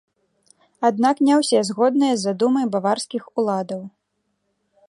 Аднак не ўсе згодныя з задумай баварскіх уладаў.